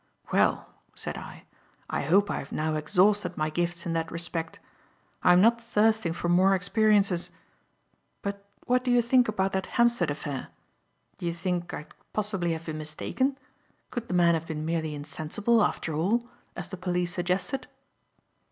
"Well," said I, "I hope I have now exhausted my gifts in that respect. I am not thirsting for more experiences. But what do you think about that Hampstead affair? Do you think I could possibly have been mistaken? Could the man have been merely insensible, after all, as the police suggested?"